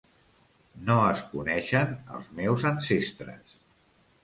No es coneixen els meus ancestres.